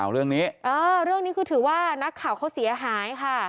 เรื่องนี้คือถือว่านักข่าวเขาเสียหาย